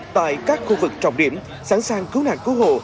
tại các khu vực trọng điểm sẵn sàng cứu nạn cứu hộ